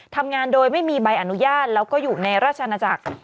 ทำงานโดยไม่มีใบอนุญาตแล้วก็อยู่ในราชนาจักร